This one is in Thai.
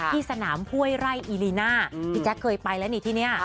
ที่สนามห้วยไร่อีลีน่าพี่แจ๊คเคยไปแล้วนี่ที่นี่